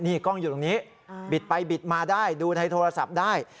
นี่กล้องอยู่ตรงนี้บิดไปบิดมาได้ดูในโทรศัพท์ได้